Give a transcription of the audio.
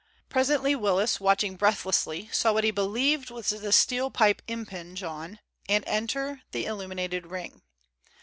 Presently Willis, watching breathlessly, saw what he believed was the steel pipe impinge on and enter the illuminated ring.